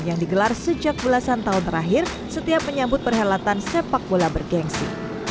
yang digelar sejak belasan tahun terakhir setiap menyambut perhelatan sepak bola bergensi